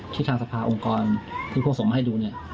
ทางสภาองค์กรที่พวกส่งมาให้ดูเนี่ย